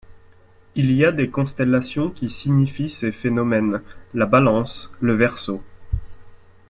Il y a des constellations qui signifient ces phénomènes, la Balance, le Verseau.